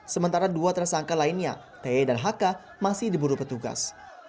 sementara dua tersangka lainnya te dan hk masih diburu petugas